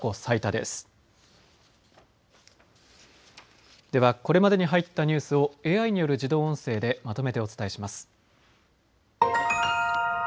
ではこれまでに入ったニュースをＡＩによる自動音声でまとめてお伝えします。